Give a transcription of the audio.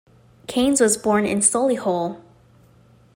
Caines was born in Solihull.